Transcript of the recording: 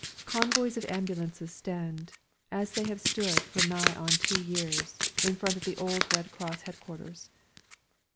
Convoys of ambulances stand, as they have stood for nigh on two years, in front of the old Red Cross Headquarters.